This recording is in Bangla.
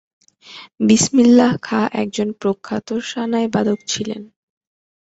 বিসমিল্লাহ খাঁ একজন প্রখ্যাত সানাই বাদক ছিলেন।